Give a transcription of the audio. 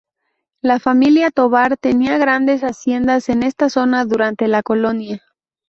La familia Tovar tenían grandes haciendas en esta zona durante la Colonia.